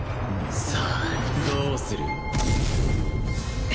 さあどうする？